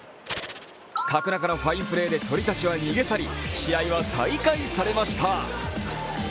角中のファインプレーで鳥たちは逃げ去り、試合は再開されました。